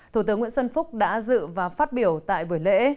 thủ tướng nguyễn xuân phúc đã dự và phát biểu tại buổi lễ